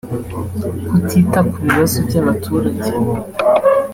Kutita ku bibazo by’abaturage